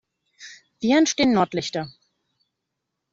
Wie entstehen Nordlichter?